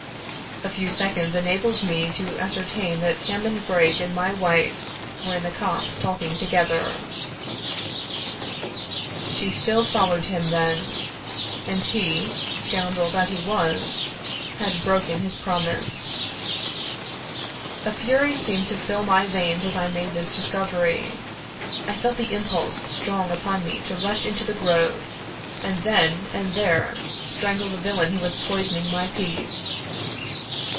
A few seconds enabled me to ascertain that Hammond Brake and my wife were in the copse talking together. She still followed him, then ; 65 Irish Mystery Stories and he, scoundrel that he was, had broken his promise. A fury seemed to fill my veins as I made this discovery. I felt the impulse strong upon me to rush into the grove, and then and there strangle the villain who was poisoning my peace.